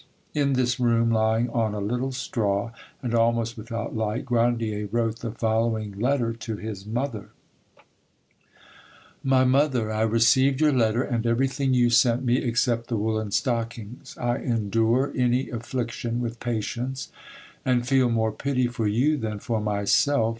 In this room, lying on a little straw, and almost without light, Grandier wrote the following letter to his mother: "MY MOTHER,—I received your letter and everything you sent me except the woollen stockings. I endure any affliction with patience, and feel more pity for you than for myself.